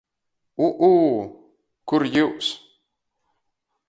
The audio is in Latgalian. U-ū — kur jius?